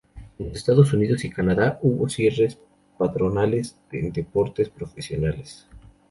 En los Estados Unidos y Canadá, hubo cierres patronales en deportes profesionales.